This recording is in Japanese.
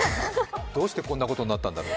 どうしてこんなことになったんだろう？